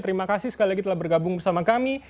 terima kasih sekali lagi telah bergabung bersama kami